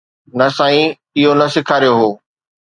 نه سائين اهو نه سيکاريو هو